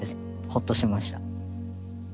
ほっとしました。